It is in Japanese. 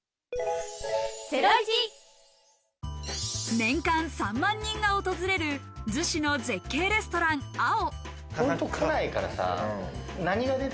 年間３万人が訪れる逗子の絶景レストランＡＯ。